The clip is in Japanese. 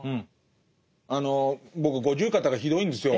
あの僕五十肩がひどいんですよ。